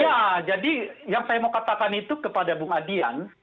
iya jadi yang saya mau katakan itu kepada bung adian